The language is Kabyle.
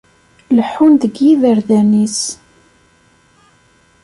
Leḥḥun deg yiberdan-is.